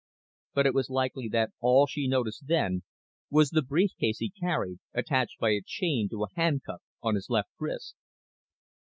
But it was likely that all she noticed then was the brief case he carried, attached by a chain to a handcuff on his left wrist.